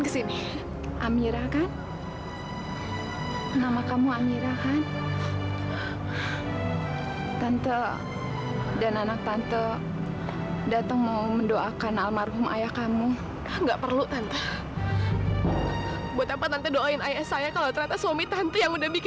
sampai jumpa di video selanjutnya